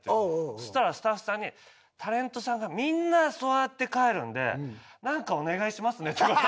そしたらスタッフさんに「タレントさんがみんなそうやって帰るんでなんかお願いしますね」って言われた。